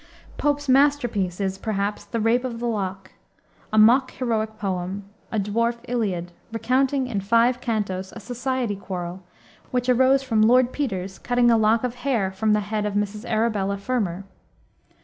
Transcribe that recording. Pope's masterpiece is, perhaps, the Rape of the Lock, a mock heroic poem, a "dwarf Iliad," recounting, in five cantos, a society quarrel, which arose from Lord Petre's cutting a lock of hair from the head of Mrs. Arabella Fermor.